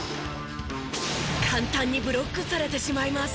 簡単にブロックされてしまいます。